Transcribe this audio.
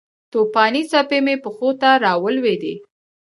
توپانې څپې مې پښو ته راولویدې